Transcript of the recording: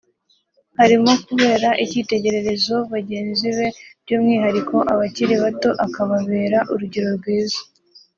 harimo kubera icyitegererezo bagenzi be by’umwihariko abakiri bato akababera urugero rwiza